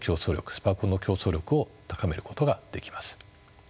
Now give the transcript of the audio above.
スパコンの競争力を高めることができます。